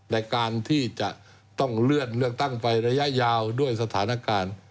ในการที่จะต้องเลื่อนเลือกตั้งไประยะยาวด้วยสถานการณ์